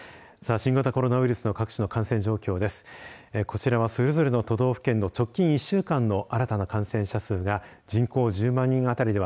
新型コロナウイルスの各地の感染状況です。